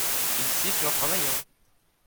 il siffle en travaillant.